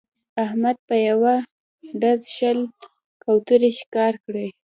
احمد په یوه ډز شل کوترې ښکار کړې